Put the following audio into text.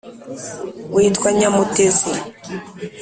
witwa Nyamutezi.